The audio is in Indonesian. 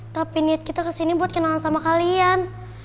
tapi niat kita kesini buat kenalan sama kalian